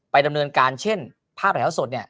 ไปดำเนินการเช่นภาพแถวสดเนี่ย